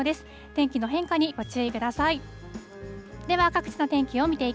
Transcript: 天気の変化にご注意ください。